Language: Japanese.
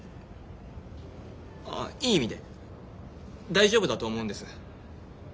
あっいい意味で大丈夫だと思うんです。